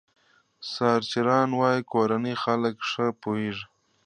سرچران وايي کورني خلک ښه پوهېږي.